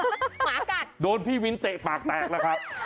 หมากัดโดนพี่วินเตะปากแตกแล้วครับ